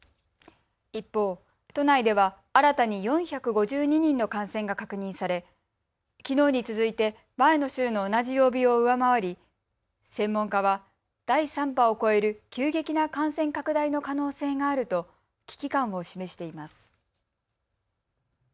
一方、都内では新たに４５２人の感染が確認されきのうに続いて前の週の同じ曜日を上回り専門家は第３波を超える急激な感染拡大の可能性があると危機感を示しています。